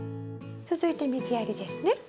続いて水やりですね？